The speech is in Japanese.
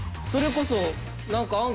それこそなんか。